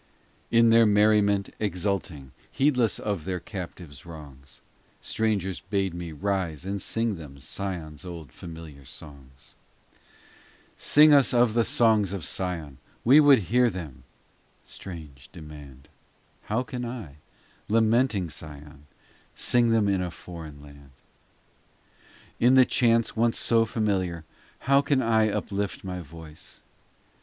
VIII In their merriment exulting, Heedless of their captive s wrongs, Strangers bade me rise and sing them Sion s old familiar songs. POEMS 291 IX Sing us of the songs of Sion ; We would hear them strange demand How can I, lamenting Sion, Sing them in a foreign land ? x In the chants once so familiar How can I uplift my voice